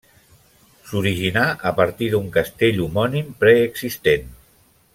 S'originà a partir d'un castell homònim preexistent.